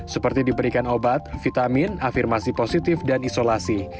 seperti diberikan obat vitamin afirmasi positif dan isolasi